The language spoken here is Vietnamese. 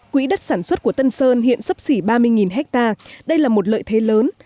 quỹ đất sản xuất của tân sơn hiện sấp xỉ ba mươi ha đây là một lợi thế lớn